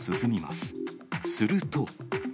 すると。